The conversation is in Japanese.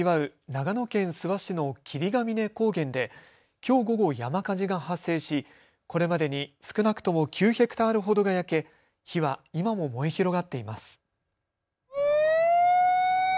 長野県諏訪市の霧ヶ峰高原できょう午後、山火事が発生しこれまでに少なくとも９ヘクタールほどが焼け火は今も燃え広がっています。